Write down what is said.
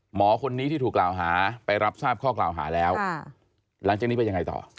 หมอคนนี้ที่ถูกกล่าวหาไปรับทราบข้อกล่าวหาแล้วหลังจากนี้ไปยังไงต่อ